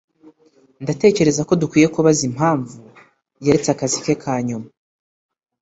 Ndatekereza ko dukwiye kubaza impamvu yaretse akazi ke ka nyuma.